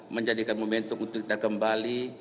menjadikan momentum untuk kita kembali